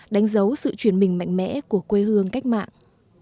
đánh dấu sự chuyển mình mạnh mẽ của quê hương cách mạng